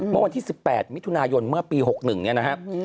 เมื่อวันที่๑๘มิถุนายนเมื่อปี๖๑เนี่ยนะครับ